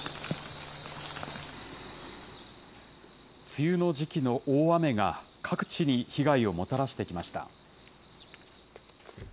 梅雨の時期の大雨が各地に被害をもたらしてきました。